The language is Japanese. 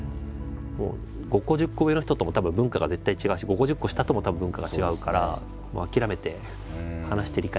５個１０個上の人ともたぶん文化が絶対違うし５個１０個下ともたぶん文化が違うから諦めて話して理解をしましょうみたいな。